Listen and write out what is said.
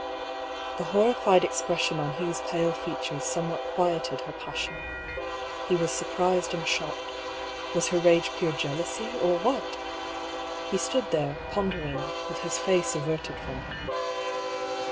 The horrified expression on Hugh's pale features somewhat quieted her passion. He was surprised and shocked. Was her rage pure jealousy, or what? He stood there, pondering, with his face averted from her.